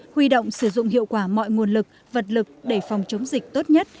huy động sử dụng hiệu quả mọi nguồn lực vật lực để phòng chống dịch tốt nhất